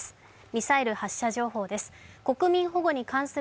ミサイル発射情報です。